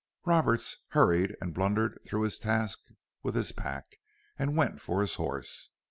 Roberts hurried and blundered through his task with his pack and went for his horse.